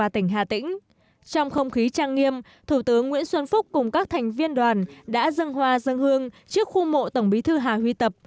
trong không khí trăng nghiêm thủ tướng nguyễn xuân phúc cùng các thành viên đoàn đã dâng hoa dâng hương trước khu mộ tổng bí thư hà huy tập